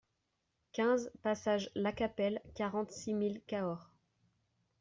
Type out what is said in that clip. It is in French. quinze passage Lacapelle, quarante-six mille Cahors